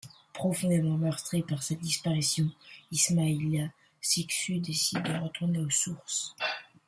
Profondément meurtris par cette disparition, Ismaïla et Sixu décident de retourner aux sources.